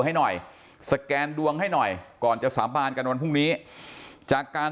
ให้หน่อยสแกนดวงให้หน่อยก่อนจะสาบานกันวันพรุ่งนี้จากการ